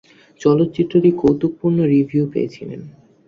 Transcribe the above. চলচ্চিত্রটি কৌতুকপূর্ণ রিভিউ পেয়েছিলেন।